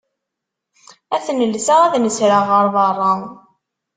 Ad ten-lseɣ ad nesreɣ ɣer berra.